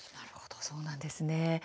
そうなんですね。